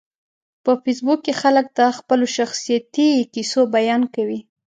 په فېسبوک کې خلک د خپلو شخصیتي کیسو بیان کوي